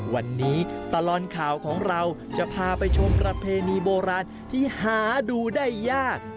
วันนี้ตลอดข่าวของเราจะพาไปชมประเพณีโบราณที่หาดูได้ยาก